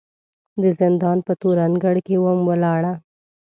د زندان په تور انګړ کې وم ولاړه